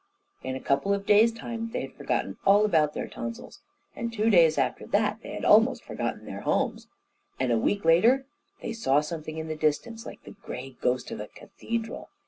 In a couple of days' time they had forgotten all about their tonsils, and two days after that they had almost forgotten their homes, and a week later they saw something in the distance like the grey ghost of a cathedral.